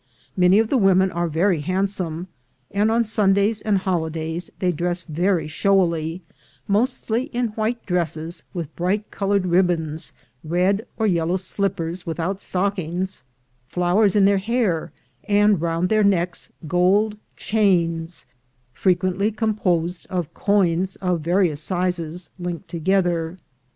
Many of the women are very handsome, and on Sundays and holidays they dress very showily, mostly in white dresses, with bright colored ribbons, red or yellow slippers with out stockings, flowers in their hair, and round their necks, gold chains, frequently composed of coins of various sizes linked together.